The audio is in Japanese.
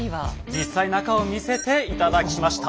実際中を見せて頂きました。